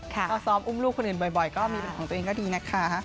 ถ้าซ้อมอุ้มลูกคนอื่นบ่อยก็มีเป็นของตัวเองก็ดีนะคะ